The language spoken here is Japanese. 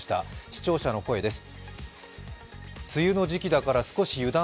視聴者の声です。